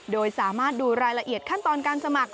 โดยสามารถดูรายละเอียดขั้นตอนการสมัคร